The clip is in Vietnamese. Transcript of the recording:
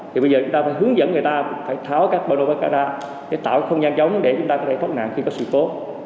thì bây giờ chúng ta phải hướng dẫn người ta phải tháo các pano quảng cáo ra để tạo cái không gian giống để chúng ta có thể thoát nạn khi có sự cố